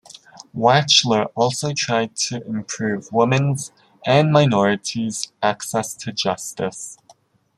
Wachtler also tried to improve women's and minorities' access to justice.